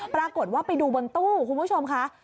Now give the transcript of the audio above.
ปรากฏว่าไปดูบนตู้คุณผู้ชมค่ะ